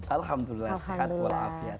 alhamdulillah sehat wa'alaafiat